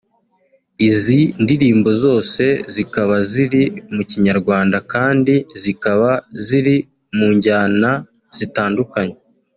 Izi ndirimbo zose zikaba ziri mukinyarwanda kandi zikaba zirimunjyana zitandukanye